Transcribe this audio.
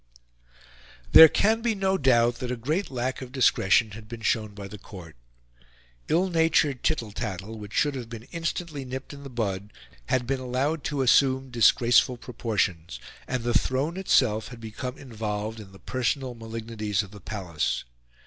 There can be no doubt that a great lack of discretion had been shown by the Court. Ill natured tittle tattle, which should have been instantly nipped in the bud, had been allowed to assume disgraceful proportions; and the Throne itself had become involved in the personal malignities of the palace.